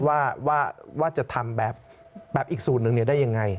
ว่าจะทำแบบอีกสูตรหนึ่งได้ยังไง